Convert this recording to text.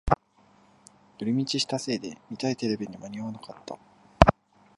寄り道したせいで見たいテレビに間に合わなかった